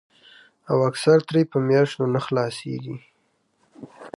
او اکثر ترې پۀ مياشتو نۀ خلاصيږي